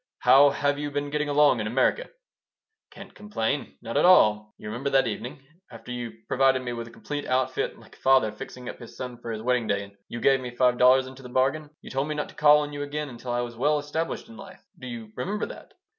How have you been getting along in America?" "Can't complain. Not at all. You remember that evening? After you provided me with a complete outfit, like a father fixing up his son for his wedding day, and you gave me five dollars into the bargain, you told me not to call on you again until I was well established in life. Do you remember that?"